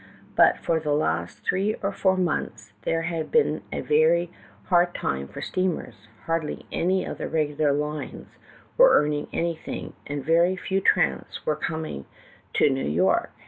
But for the last three or four months there had been a ver}" hard time for steamers ; hardly any of the regular lines were earning anything, and very few tramps were coming to New York.